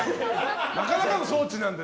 なかなかの装置なので。